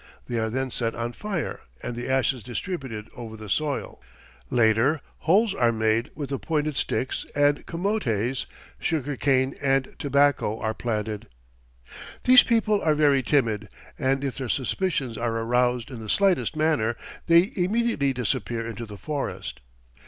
They are then set on fire and the ashes distributed over the soil. Later, holes are made with the pointed sticks, and camotes, sugar cane and tobacco are planted. These people are very timid, and if their suspicions are aroused in the slightest manner, they immediately disappear into the forest.